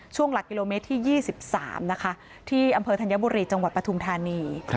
หลักกิโลเมตรที่๒๓นะคะที่อำเภอธัญบุรีจังหวัดปฐุมธานี